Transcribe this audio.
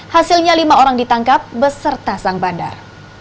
hasilnya lima orang ditangkap beserta sang bandar